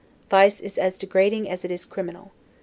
Vice is as degrading as it is criminal.